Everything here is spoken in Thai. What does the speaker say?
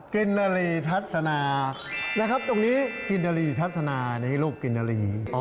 กินนารีทัศนานะครับตรงนี้กินนารีทัศนานี้ลูกกินนาลี